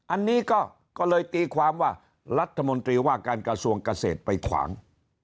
อันนี้ก็เลยตีความว่ารัฐมนตรีว่าการกระทรวงเกษตรไปขวาง